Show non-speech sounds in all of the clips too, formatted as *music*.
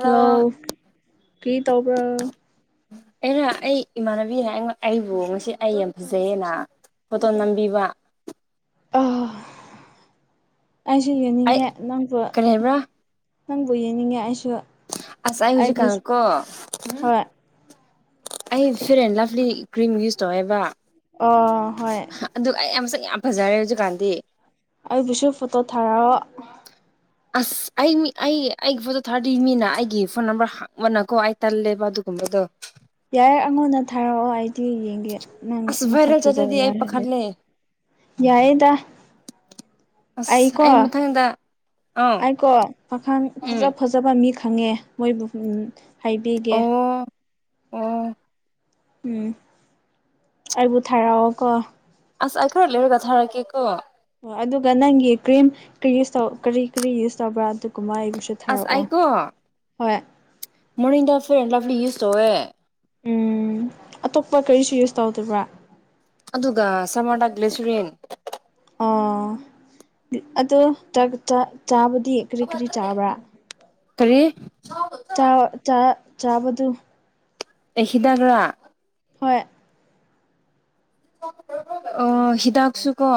hello ꯀ꯭ꯔꯤ ꯇꯧꯕꯔꯣ ꯑꯩꯅ ꯑꯩ ꯏꯃꯥꯟꯅꯕꯤꯅ ꯑꯩꯕꯨ ꯉꯁꯤ ꯑꯩ ꯌꯥꯝ ꯐꯖꯩꯑꯦꯅ ꯐꯣꯇꯣ ꯅꯝꯕꯤꯕ ꯑ ꯑꯩꯁꯨ ꯑꯩ ꯌꯦꯡꯅꯤꯡꯉꯦ ꯅꯪꯕꯨ ꯀꯔꯤ ꯍꯥꯏꯕ꯭ꯔꯥ ꯅꯪꯕꯨ ꯌꯦꯡꯅꯡꯉꯦ ꯑꯩꯁꯨ ꯑꯁ ꯑꯩ ꯍꯧꯖꯤꯛꯀꯥꯟ ꯑꯩꯕꯨꯁꯨ ꯀꯣ ꯍꯣꯏ ꯑꯩ ꯐꯌꯔ ꯂꯚꯂꯤ ꯀ꯭ꯔꯤꯝ ꯌꯨꯁ ꯇꯧꯋꯦꯕ ꯑꯣ ꯍꯣꯏ ꯑꯗꯨ ꯑꯩ ꯌꯥꯝ ꯃꯁꯛ ꯌꯥꯝ ꯐꯖꯔꯦ ꯍꯧꯖꯤꯛꯀꯥꯟꯗꯤ ꯑꯩꯕꯨꯁꯨ ꯐꯣꯇꯣ ꯊꯥꯔꯛꯑꯣ ꯑꯁ ꯑꯩ ꯃꯤ ꯑꯩ ꯑꯩꯒꯤ ꯐꯣꯠꯇꯣ ꯊꯥꯔꯗꯤ ꯃꯤꯅ ꯑꯩꯒꯤ ꯐꯣꯟ ꯅꯝꯕꯔ ꯍꯪꯕꯅꯀꯣ ꯑꯩ ꯇꯜꯂꯦꯕ ꯑꯗꯨꯒ ꯕꯗꯣ ꯌꯥꯏꯌꯦ ꯑꯩꯉꯣꯟꯗ ꯊꯥꯔꯛꯑꯣ ꯑꯩꯗꯤ ꯌꯦꯡꯒꯦ ꯅꯪ ꯑꯁ ꯃꯁꯛ ꯚꯥꯏꯔꯦꯜ ꯆꯠꯂꯗꯤ ꯐꯖꯕ꯭ꯔ ꯑꯩ ꯍꯥꯏꯕꯗꯣ ꯄꯥꯈꯠꯂꯦ ꯌꯥꯏꯌꯦꯗ ꯑꯁ ꯑꯩꯀꯣ ꯑꯩ ꯃꯊꯪꯗ ꯑꯥ ꯑꯩꯀꯣ ꯄꯥꯈꯪ ꯎꯝ ꯐꯖ ꯐꯖꯕ ꯃꯤꯈꯛ ꯈꯪꯉꯦ ꯃꯣꯏꯕꯨ ꯍꯥꯏꯕꯤꯒꯦ ꯑꯣ ꯑꯣ ꯎꯝ ꯑꯩꯕꯨ ꯊꯥꯔꯛꯑꯣ ꯀꯣ ꯑꯁ ꯑꯩ ꯈꯔ ꯂꯩꯔꯒ ꯊꯥꯔꯛꯀꯦꯀꯣ ꯑꯣ ꯑꯗꯨꯒ ꯅꯪꯒꯤ ꯀ꯭ꯔꯤꯝ ꯀꯔꯤ ꯏꯌꯨꯁ ꯇꯧ ꯀꯔꯤ ꯀꯔꯤ ꯌꯨꯁ ꯇꯧꯕ꯭ꯔꯥ ꯑꯗꯨ ꯑꯁ ꯑꯩꯀꯣ ꯍꯣꯏ ꯃꯣꯔꯅꯤꯡꯗ ꯐꯤꯌꯔ ꯂꯚꯂꯤ ꯌꯨꯁ ꯇꯧꯋꯦ ꯎꯝ ꯑꯇꯣꯞꯄ ꯀꯔꯤꯁꯨ ꯌꯨꯁ ꯇꯧꯗꯕ꯭ꯔꯥ ꯑꯗꯨꯒ ꯁꯥꯃꯔꯗ ꯒ꯭ꯂꯦꯁꯔꯤꯟ ꯑꯣ ꯑꯗꯣ ꯆꯥꯛ ꯆꯥ ꯆꯥꯕ ꯗꯤ ꯀꯔꯤ ꯀꯔꯤ ꯆꯥꯕ꯭ꯔꯥ ꯀꯔꯤ ꯆꯥ ꯆꯥ ꯆꯥꯕꯗꯣ ꯑꯩ ꯍꯤꯗꯥꯛꯔꯥ ꯍꯣꯏ ꯑꯣ ꯍꯤꯗꯥꯛꯁꯨꯀꯣ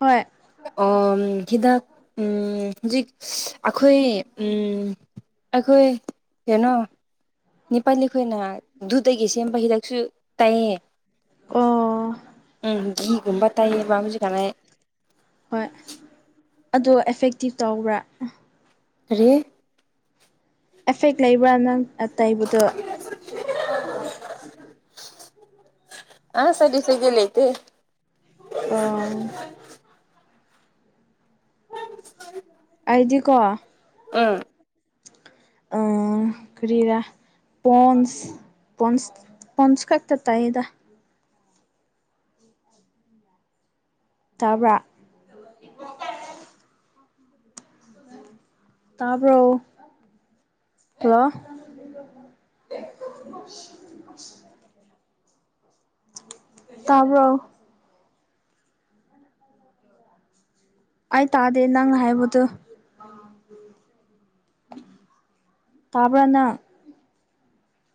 ꯍꯣꯏ ꯑꯣꯝ ꯍꯤꯗꯥꯛ ꯎꯝ ꯍꯨꯖꯤꯛ ꯑꯈꯣꯏ ꯎꯝ ꯑꯈꯣꯏ ꯀꯦꯅꯣ ꯅꯦꯄꯥꯜꯂꯤ ꯈꯣꯏꯅ ꯗꯨꯗꯒꯤ ꯁꯦꯝꯕ ꯍꯤꯗꯥꯛꯁꯨ ꯇꯩꯌꯦ ꯑꯣ ꯎꯝ ꯒꯤꯒꯨꯝꯕ ꯇꯥꯏꯌꯦꯕ ꯍꯨꯖꯤꯛꯀꯥꯟ ꯑꯩ ꯍꯣꯏ ꯑꯗꯨ ꯑꯦꯐꯦꯛꯇꯤꯚ ꯇꯧꯕ꯭ꯔꯥ ꯀꯔꯤ ꯑꯦꯐꯦꯛ ꯂꯩꯕ꯭ꯔꯥ ꯅꯪ ꯑꯥ ꯇꯩꯕꯗꯣ ꯑꯥ ꯁꯥꯏꯗ ꯏꯐꯦꯛꯇꯤ ꯂꯩꯇꯦ ꯑꯥ ꯑꯩꯗꯤꯀꯣ ꯎꯝ ꯑꯥ ꯀꯔꯤꯔꯥ ꯄꯣꯟꯁ ꯄꯣꯟꯁ ꯄꯣꯟꯁ ꯈꯛꯇ ꯇꯩꯗ ꯇꯥꯕ꯭ꯔꯥ *unintelligible* ꯇꯥꯕ꯭ꯔꯣ ꯍꯂꯣ ꯇꯥꯕ꯭ꯔꯣ ꯑꯩ ꯇꯥꯗꯦ ꯅꯪꯅ ꯍꯥꯏꯕꯗꯣ ꯇꯥꯕ꯭ꯔꯥ ꯅꯪ